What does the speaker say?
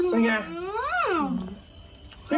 เป็นไง